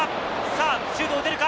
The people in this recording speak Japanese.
シュートを打てるか？